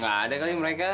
ga ada kali mereka